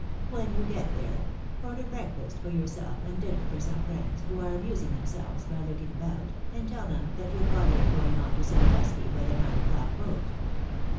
When you get there, order breakfast for yourself and dinner for some friends, who are amusing themselves by looking about, and tell them that your party are going on to Sandusky by the nine o'clock boat.